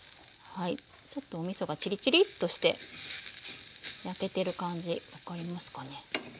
ちょっとおみそがちりちりとして焼けてる感じ分かりますかね？